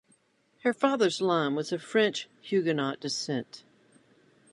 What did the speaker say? Her father's line was of French Huguenot descent.